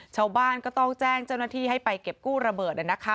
ชาวบ้านก็ต้องแจ้งเจ้าหน้าที่ให้ไปเก็บกู้ระเบิดนะคะ